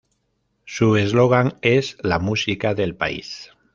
Su eslogan es "La música del país".